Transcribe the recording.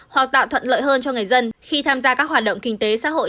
hoặc tạo thuận lợi hơn cho người dân khi tham gia các hoạt động kinh tế xã hội